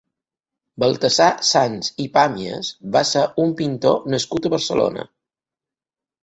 Baltasar Sans i Pàmies va ser un pintor nascut a Barcelona.